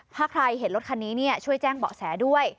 ถ้าใครเห็นรถคันนี้ช่วยแจ้งเบาะแสด้วย